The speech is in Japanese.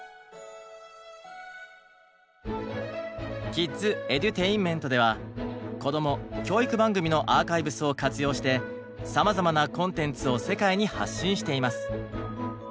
「ＫｉｄｓＥｄｕｔａｉｎｍｅｎｔ」ではこども・教育番組のアーカイブスを活用してさまざまなコンテンツを世界に発信しています。